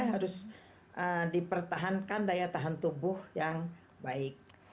harus dipertahankan daya tahan tubuh yang baik